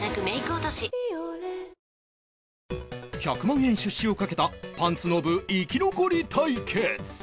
１００万円出資を賭けたパンツノブ生き残り対決